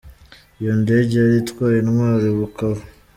Iyo ndege yari itwaye intwaro i Bukavu.